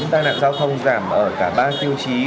tai nạn giao thông giảm ở cả ba tiêu chí